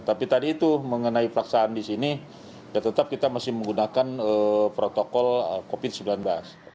tapi tadi itu mengenai pelaksanaan di sini ya tetap kita masih menggunakan protokol covid sembilan belas